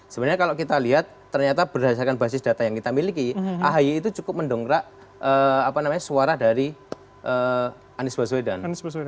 sebenarnya kalau kita lihat ternyata berdasarkan basis data yang kita miliki ahy itu cukup mendongkrak suara dari anies baswedan